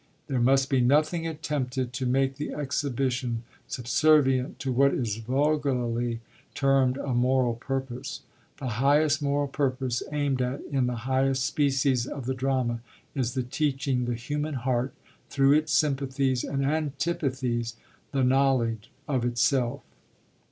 There must be nothing attempted to make the exhibition subservient to what is vulgarly termed a moral purpose. The highest moral purpose aimed at in the highest species of the drama is the teaching the human heart, through its sympathies and antipathies, the knowledge of itself.